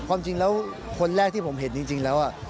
ความจริงแล้วคนแรกที่ผมเห็นจริงแล้ว